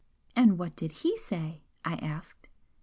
"And what did he say?" I asked.